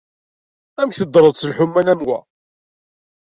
Amek teddreḍ s lḥuman am wa?